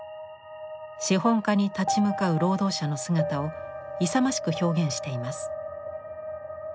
資本家に立ち向かう労働者の姿を勇ましく表現しています。